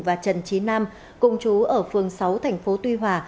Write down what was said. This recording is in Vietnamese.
và trần trí nam cùng chú ở phường sáu thành phố tuy hòa